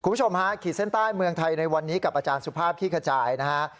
คุณผู้ชมฮะขีดเส้นใต้เมืองไทยในวันนี้กับอาจารย์สุภาพขี้ขจายนะฮะ